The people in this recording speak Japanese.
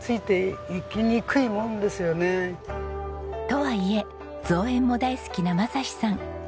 とはいえ造園も大好きな雅士さん。